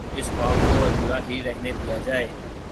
اس خواب کو ادھورا ہی رہنے دیا جائے۔